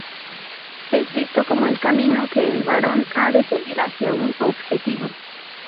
Es visto como el camino que el varón ha de seguir hacia un objetivo.